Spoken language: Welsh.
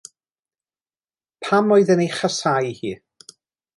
Pam oedd e'n ei chasáu hi?